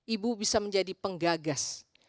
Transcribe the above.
ibu bisa menjadi penggagas